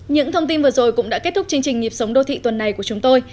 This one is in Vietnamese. những thông tin vừa rồi cũng đã kết thúc chương trình nhịp sống đô thị tuần này của chúng tôi